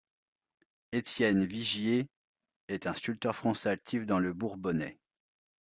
Étienne Vigier, est un sculpteur français actif dans le Bourbonnais.